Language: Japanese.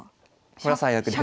これは最悪です。